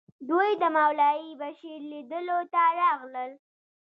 دوی د مولوي بشیر لیدلو ته راغلل.